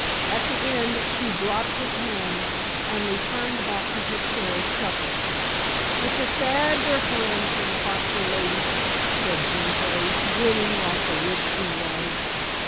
At the end she dropped his hand and returned back to her chair chuckling. "It's a sad dukkerin for the foxy lady," said Gentilla, grinning like the witch she was.